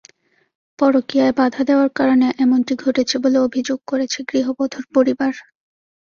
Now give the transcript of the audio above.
পরকীয়ায় বাধা দেওয়ার কারণে এমনটি ঘটেছে বলে অভিযোগ করেছে গৃহবধূর পরিবার।